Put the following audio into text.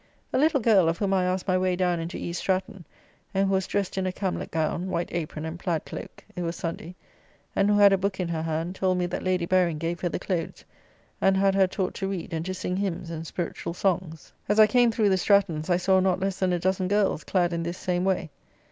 A little girl, of whom I asked my way down into East Stratton, and who was dressed in a camlet gown, white apron and plaid cloak (it was Sunday), and who had a book in her hand, told me that Lady Baring gave her the clothes, and had her taught to read and to sing hymns and spiritual songs. As I came through the Strattons, I saw not less than a dozen girls clad in this same way.